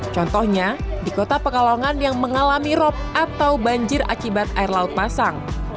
contohnya di kota pekalongan yang mengalami rop atau banjir akibat air laut pasang